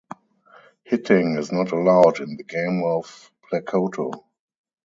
Hitting is not allowed in the game of Plakoto.